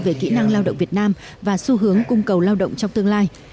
về kỹ năng lao động việt nam và xu hướng cung cầu lao động trong tương lai